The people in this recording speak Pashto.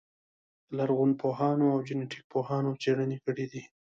لرغونپوهانو او جنټیک پوهانو څېړنې کړې دي.